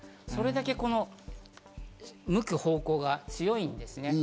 それだけ向く方向が強いんですね。